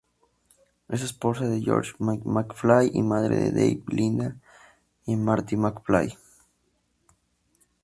Es esposa de George McFly y madre de Dave, Linda y Marty McFly.